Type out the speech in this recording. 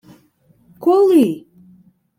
— Коли?